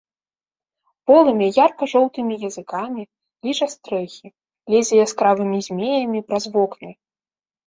Полымя ярка-жоўтымі языкамі ліжа стрэхі, лезе яскравымі змеямі праз вокны.